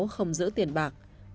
sáu không giữ tiền bạc